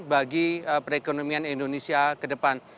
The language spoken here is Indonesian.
bagi perekonomian indonesia ke depan